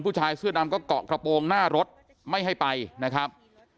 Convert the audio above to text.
ผู้ชายเสื้อดำก็เกาะกระโปรงหน้ารถไม่ให้ไปนะครับ